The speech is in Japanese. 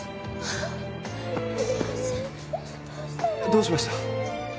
どうしました？